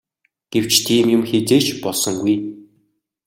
Гэвч тийм юм хэзээ ч болсонгүй.